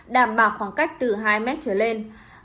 đảm bảo khoảng cách từ hai m trở lên